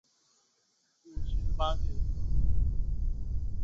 美熹德加利福尼亚大学中美熹德市近郊的一所大学。